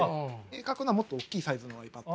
描くのはもっと大きいサイズのｉＰａｄ。